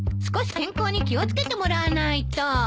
少し健康に気を付けてもらわないと。